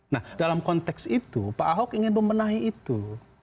nah dalam konteks itu pak ahok ingin membenahi itu